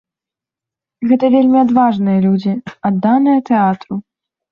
Гэта вельмі адважныя людзі, адданыя тэатру.